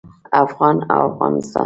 افغان او افغانستان